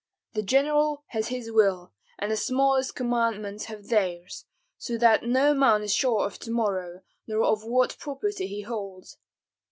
The General has his will, and the smallest commandants have theirs, so that no man is sure of to morrow, nor of what property he holds.